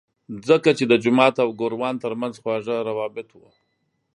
ځکه چې د جومات او ګوروان ترمنځ خواږه روابط وو.